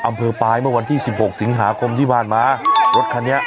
อำเภอปลายเมื่อวันที่สิบหกสิงหาคมที่ผ่านมารถคันนี้